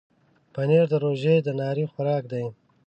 پنېر د روژې د ناري خوراک دی.